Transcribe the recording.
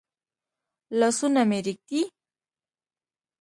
لاسونه مي رېږدي ؟